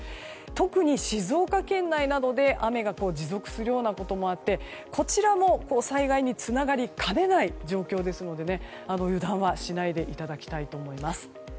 特に静岡県内などで雨が持続するようなこともあってこちらも災害につながりかねない状況ですので油断はしないでいただきたいと思います。